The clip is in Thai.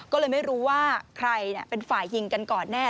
ก็เลยไม่รู้ว่าใครเป็นฝ่ายยิงกันก่อนแน่